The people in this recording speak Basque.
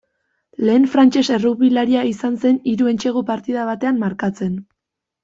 Lehen frantses errugbilaria izan zen hiru entsegu partida batean markatzen.